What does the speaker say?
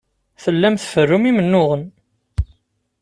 Tellam tferrum imennuɣen.